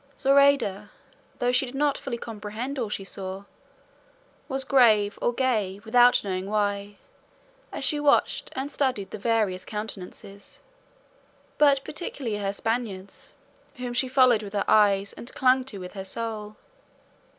Zoraida, though she did not fully comprehend all she saw, was grave or gay without knowing why, as she watched and studied the various countenances, but particularly her Spaniard's, whom she followed with her eyes and clung to with her soul.